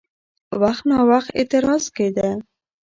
وخت ناوخت اعتراض کېده؛